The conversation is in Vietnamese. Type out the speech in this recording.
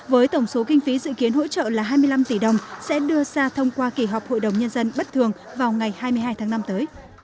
với tổng số kinh phí dự kiến hỗ trợ là hai mươi năm tỷ đồng sẽ đưa ra thông qua kỳ họp hội đồng nhân dân bất thường vào ngày hai mươi hai tháng năm tới